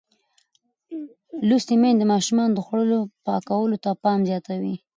لوستې میندې د ماشومانو د خوړو پاکولو ته پام زیاتوي.